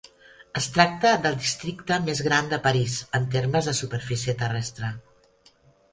Es tracta del districte més gran de París en termes de superfície terrestre.